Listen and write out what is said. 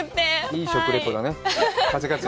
いい食レポだね。